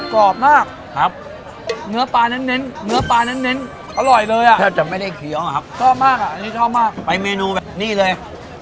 กรอบมากเนื้อปลานั้นเน้นอร่อยเลยอ่ะชอบมากอ่ะอันนี้ชอบมากไปเมนูแบบนี้เลย